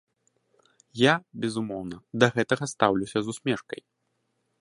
Я, безумоўна, да гэтага стаўлюся з усмешкай.